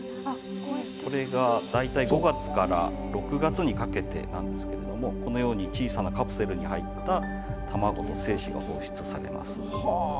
これが大体５月から６月にかけてなんですけどもこのように小さなカプセルに入った卵、精子が放出されます。